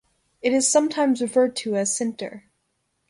It is sometimes referred to as sinter.